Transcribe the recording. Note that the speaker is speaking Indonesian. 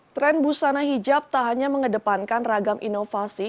tren busana hijab tak hanya mengedepankan ragam inovasi